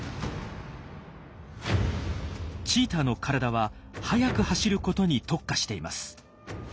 チーターの体は速く走ることに特化しています。